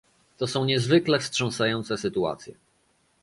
To są niezwykle wstrząsające sytuacje